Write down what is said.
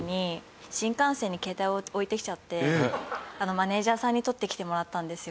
マネジャーさんに取ってきてもらったんですよ。